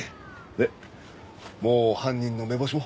でもう犯人の目星も？